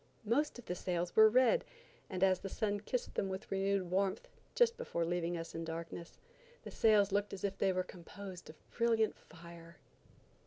Most of the sails were red, and as the sun kissed them with renewed warmth, just before leaving us in darkness, the sails looked as if they were composed of brilliant fire.